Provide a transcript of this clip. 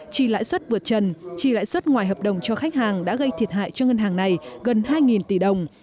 trì lãi suất vượt chân trì lãi suất ngoài hợp đồng cho khách hàng đã gây thiệt hại cho ngân hàng này gần hai tỷ đồng